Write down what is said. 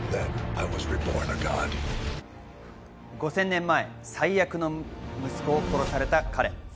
５０００年前、最愛の息子を殺された彼。